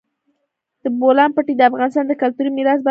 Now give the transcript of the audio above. د بولان پټي د افغانستان د کلتوري میراث برخه ده.